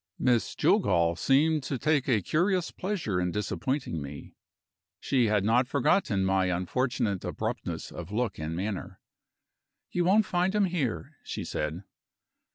Miss Jillgall seemed to take a curious pleasure in disappointing me; she had not forgotten my unfortunate abruptness of look and manner. "You won't find him here," she said.